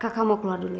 kakak mau keluar dulu ya